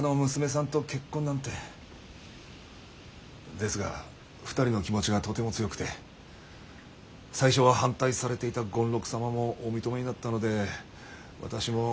ですが２人の気持ちがとても強くて最初は反対されていた権六様もお認めになったので私も。